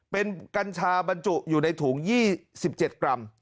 เป็นกัญชาบรรจุอยู่ในถุง๒๗กรัม